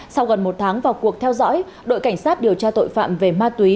sau gần một tháng vào cuộc theo dõi đội cảnh sát điều tra tội phạm về ma túy